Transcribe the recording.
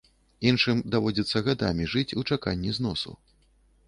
Іншым даводзіцца гадамі жыць у чаканні зносу.